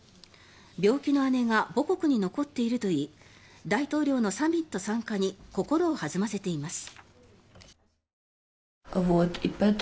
病気の姉が母国に残っているといい大統領のサミット参加に心を弾ませています。